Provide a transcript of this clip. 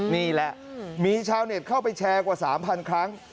นี่แหละมีชาวเน็ตเข้าไปแชร์กว่า๓๐๐ครั้ง